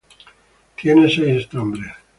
Tiene seis estambres.